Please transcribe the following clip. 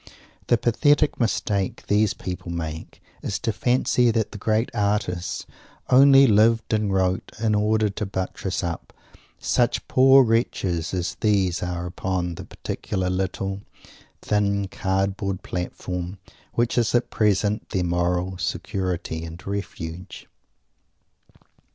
The pathetic mistake these people make is to fancy that the great artists only lived and wrote in order to buttress up such poor wretches as these are upon the particular little, thin, cardboard platform which is at present their moral security and refuge.